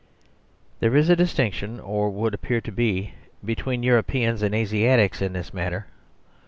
There is a distinction (or would appear to be) be tween Europeans and Asiatics in this matter.